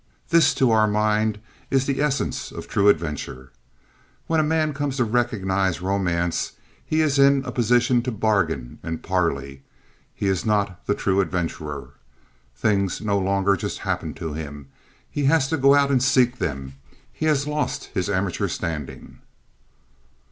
This to our mind is the essence of true adventure. When a man comes to recognize romance he is in a position to bargain and parley. He is not the true adventurer. Things no longer just happen to him. He has to go out and seek them. He has lost his amateur standing.